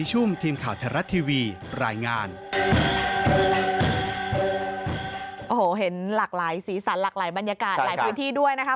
โอ้โหเห็นหลากหลายสีสันหลากหลายบรรยากาศหลายพื้นที่ด้วยนะคะ